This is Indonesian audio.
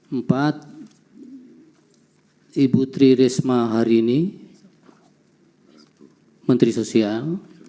empat ibu tririsma hari ini menteri sosial